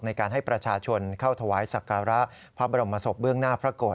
ในการให้ประชาชนเข้าถวายสักการะพระบรมศพเบื้องหน้าพระโกรธ